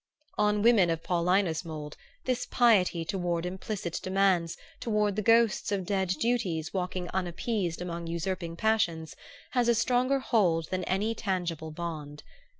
On women of Paulina's mould this piety toward implicit demands, toward the ghosts of dead duties walking unappeased among usurping passions, has a stronger hold than any tangible bond.